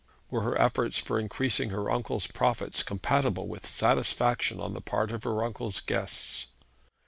Were her efforts for increasing her uncle's profits compatible with satisfaction on the part of her uncle's guests?